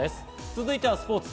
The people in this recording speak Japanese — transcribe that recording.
続いてはスポーツ。